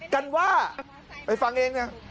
กันว่าไปฟังเองนะ